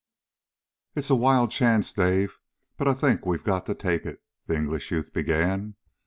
"It's a wild chance, Dave, but I think we've got to take it," the English youth began.